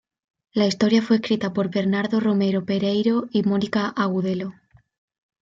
La historia fue escrita por Bernardo Romero Pereiro y Mónica Agudelo.